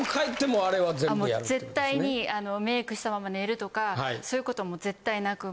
もう絶対にメイクしたまま寝るとかそういうことも絶対なく